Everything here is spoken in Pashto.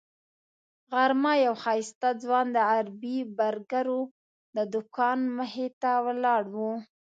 غرمه یو ښایسته ځوان د عربي برګرو د دوکان مخې ته ولاړ و.